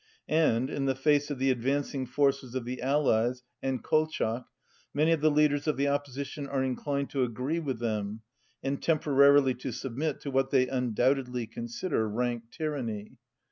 And, in the face of the advancing forces of the Allies and Kolchak many of the leaders of the opposition are inclined to agree with them, and temporarily to submit to what they undoubtedly consider rank tyranny.